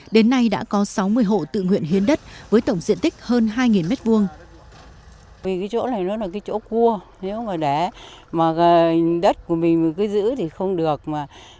đến nay đã có sáu mươi hộ tự nguyện hiến đất với tổng diện tích hơn hai m hai